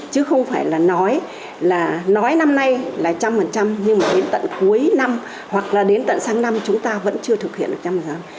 chứ không phải là nói là nói năm nay là trăm phần trăm nhưng mà đến tận cuối năm hoặc là đến tận sáng năm chúng ta vẫn chưa thực hiện được trăm phần trăm